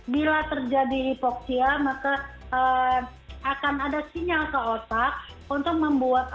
bila terjadi hipoksia maka akan ada sinyal ke otak untuk membuat